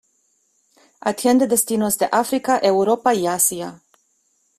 Atiende destinos de África, Europa, y Asia.